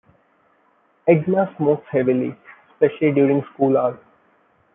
Edna smokes heavily, especially during school hours.